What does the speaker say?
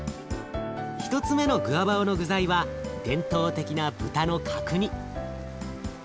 １つ目のグアバオの具材は伝統的な豚の角煮。